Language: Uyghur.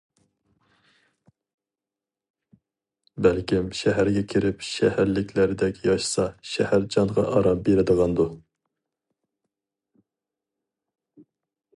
بەلكىم شەھەرگە كىرىپ شەھەرلىكلەردەك ياشىسا شەھەر جانغا ئارام بېرىدىغاندۇ.